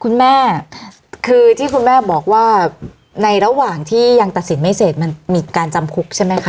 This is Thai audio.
คุณแม่คือที่คุณแม่บอกว่าในระหว่างที่ยังตัดสินไม่เสร็จมันมีการจำคุกใช่ไหมคะ